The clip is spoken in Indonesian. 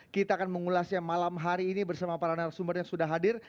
kita akan mengulasnya malam hari ini bersama para narasumber yang sudah hadir